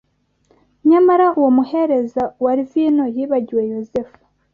Nyamara uwo muhereza wa vino yibagiwe Yozefu